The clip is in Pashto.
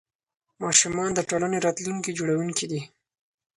ماشومان د ټولنې راتلونکي جوړونکي دي.